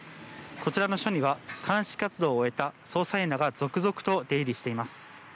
こちらの署には鑑識活動を終えた捜査員らが続々と出入りしています。